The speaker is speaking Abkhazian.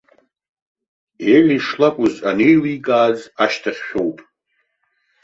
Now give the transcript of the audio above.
Ели шлакәыз анеиликааз ашьҭахьшәоуп.